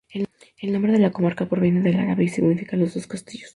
El nombre de la comarca proviene del árabe y significa "los dos castillos".